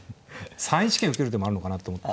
３一桂受ける手もあるのかなと思った。